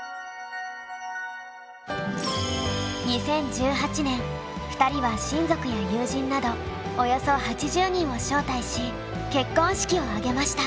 続いて２０１８年２人は親族や友人などおよそ８０人を招待し結婚式を挙げました。